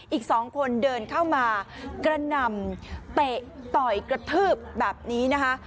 อีกสองคนเดินเข้ามากระหน่ำเตะต่อยกระทืบแบบนี้นะคะ